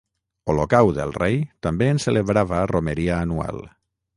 Olocau del Rei també en celebrava romeria anual.